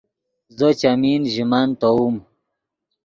زو چیمین ژے مَنۡ تیووم